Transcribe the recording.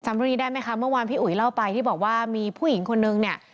บุรีได้ไหมคะเมื่อวานพี่อุ๋ยเล่าไปที่บอกว่ามีผู้หญิงคนนึงเนี่ย